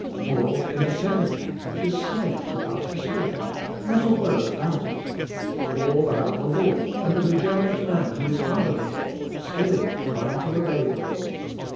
Paul, in the seventh chapter, is silent about the Spirit, not a word abrut it. All about the law and the reg'enerate man who is under the law, still, trying' to obey the law.